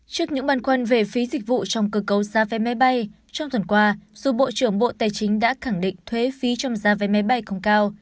trước những bàn quân về phí dịch vụ trong cơ cấu gia vé máy bay trong tuần qua dù bộ trưởng bộ tài chính đã khẳng định thuế phí trong gia vé máy bay không cao